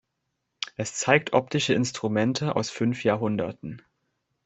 Es zeigt optische Instrumente aus fünf Jahrhunderten.